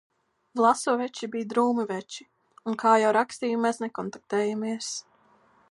Vlasovieši bija drūmi veči un kā jau rakstīju mēs nekontaktējāmies.